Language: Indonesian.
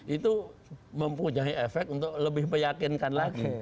itu mempunyai efek untuk lebih meyakinkan lagi